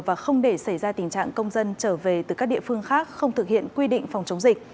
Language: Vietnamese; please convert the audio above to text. và không để xảy ra tình trạng công dân trở về từ các địa phương khác không thực hiện quy định phòng chống dịch